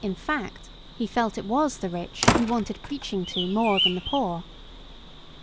fact, he felt it was the rich who wanted preaching to more than the poor.